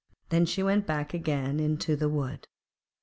Then she went back again into the wood.